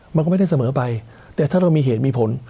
มันก็ไม่ได้เสมอไปแต่ถ้าเรามีเหตุมีผล